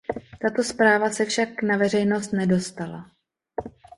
Tato zpráva se však na veřejnost nedostala.